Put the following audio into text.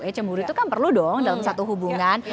ya cemburu itu kan perlu dong dalam satu hubungan